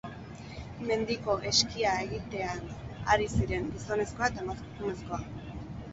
Mendiko eskia egitean ari ziren gizonezkoa eta emakumezkoa.